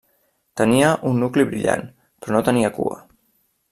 Tenia un nucli brillant, però no tenia cua.